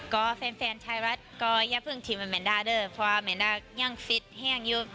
ก็แฟนไทยรัฐก็อย่าเพิ่งคิดว่าแมนดาเด้อเพราะว่าแมนดายังฟิตแห้งอยู่